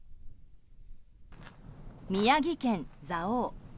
宮城県蔵王。